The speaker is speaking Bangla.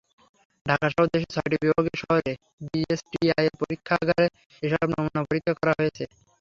ঢাকাসহ দেশের ছয়টি বিভাগীয় শহরে বিএসটিআইয়ের পরীক্ষাগারে এসব নমুনা পরীক্ষা করা হয়েছে।